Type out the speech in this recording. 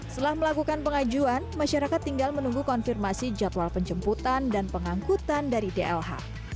setelah melakukan pengajuan masyarakat tinggal menunggu konfirmasi jadwal penjemputan dan pengangkutan dari dlh